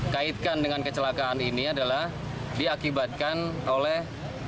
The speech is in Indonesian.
kaitkan dengan kecelakaan ini adalah diakibatkan oleh